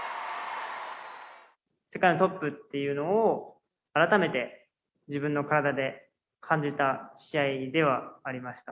世界のトップというのを、改めて自分の体で感じた試合ではありました。